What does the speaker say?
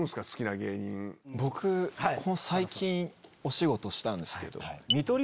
僕最近お仕事したんですけど。